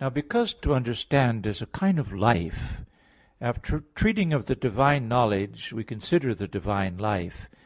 Now because to understand is a kind of life, after treating of the divine knowledge, we consider the divine life.